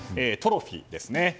トロフィーですね。